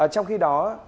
trong khi đó